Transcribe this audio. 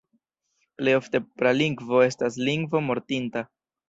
Plej ofte pralingvo estas lingvo mortinta.